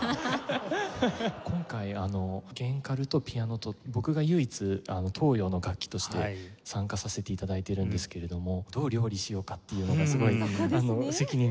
今回弦カルとピアノと僕が唯一東洋の楽器として参加させて頂いているんですけれどもどう料理しようかっていうのがすごい責任重大ですけど。